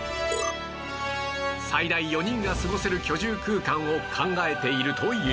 最大４人が過ごせる居住空間を考えているという